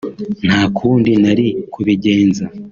nta kundi nari kubigenza